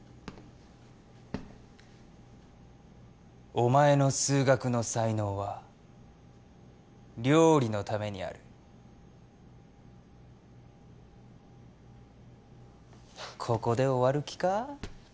お前の数学の才能は料理のためにあるここで終わる気か？